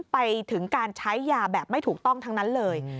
ไปถึงการใช้ยาแบบไม่ถูกต้องทั้งนั้นเลย